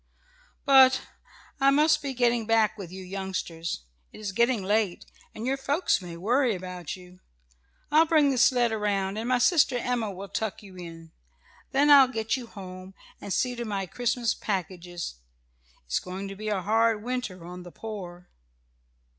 "But I must be getting back with you youngsters. It is getting late and your folks may worry about you. I'll bring the sled around, and my sister Emma can tuck you in. Then I'll get you home, and see to my Christmas packages. It's going to be a hard winter on the poor."